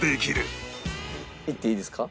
いっていいですか？